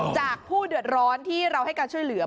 ผู้เดือดร้อนที่เราให้การช่วยเหลือ